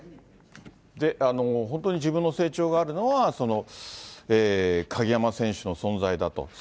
本当に自分の成長があるのは、その鍵山選手の存在だと。